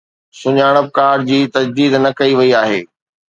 سڃاڻپ ڪارڊ جي تجديد نه ڪئي وئي آهي